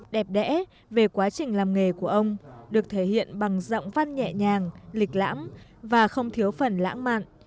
đẹp đẽ về quá trình làm nghề của ông được thể hiện bằng giọng văn nhẹ nhàng lịch lãm và không thiếu phần lãng mạn